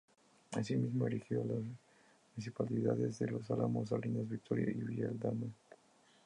Asimismo, erigió las municipalidades de los Álamos, Salinas, Victoria y Villa Aldama.